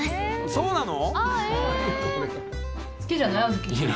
そうなの？